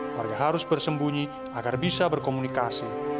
warga harus bersembunyi agar bisa berkomunikasi